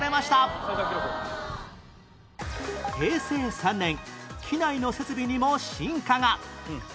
平成３年機内の設備にも進化が